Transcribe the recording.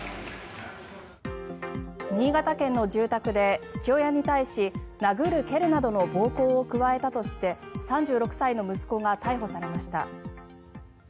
新潟県の住宅で父親に対し殴る蹴るなどの暴行を加えたとして３６歳の息子が逮捕されました。